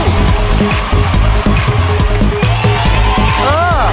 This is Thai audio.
เออ